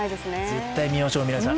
絶対見ましょう、皆さん。